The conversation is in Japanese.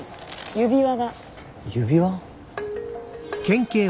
指輪。